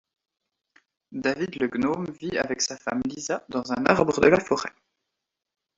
David le gnome vit avec sa femme Lisa dans un arbre de la forêt.